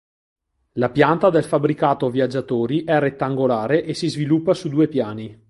La pianta del fabbricato viaggiatori è rettangolare e si sviluppa su due piani.